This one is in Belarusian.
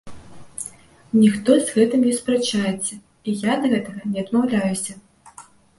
Ніхто з гэтым не спрачаецца, і я ад гэтага не адмаўляюся.